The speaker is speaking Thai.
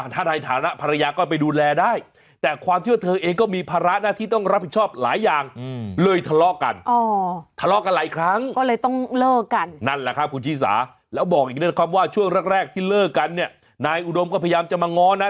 ถ้าใดฐานะภรรยาก็ไปดูแลได้แต่ความเชื่อเธอเองก็มีภาระนะที่ต้องรับผิดชอบหลายอย่างเลยทะเลาะกัน